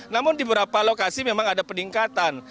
namun di beberapa lokasi memang ada peningkatan